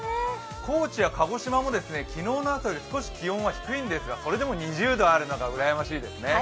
高知や鹿児島も昨日の朝よりも少し気温が低いんですがそれでも２０度あるのがうらやましいですね。